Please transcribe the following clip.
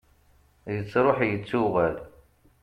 yettruḥ yettuɣal